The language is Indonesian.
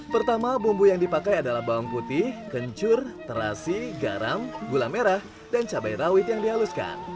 pertama bumbu yang dipakai adalah bawang putih kencur terasi garam gula merah dan cabai rawit yang dihaluskan